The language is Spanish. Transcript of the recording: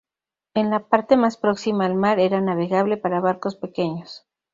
En la parte más próxima al mar era navegable para barcos pequeños.